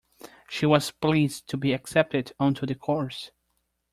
She was pleased to be accepted onto the course